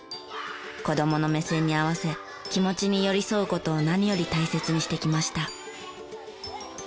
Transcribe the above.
子どもの目線に合わせ気持ちに寄り添う事を何より大切にしてきました。